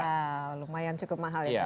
wow lumayan cukup mahal ya